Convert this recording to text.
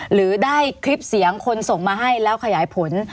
หรือได้คลิปเสียงคนส่งมาให้แล้วขยายผล